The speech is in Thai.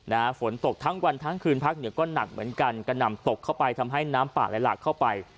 ฝนตกทั้งวันทั้งคืนภาคเหนือก็หนักเหมือนกันกระหน่ำตกเข้าไปทำให้น้ำป่าไหลหลากเข้าไป